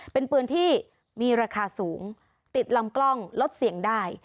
เป็นปืนที่มีราคาสูงติดลำกล้องลดเสี่ยงได้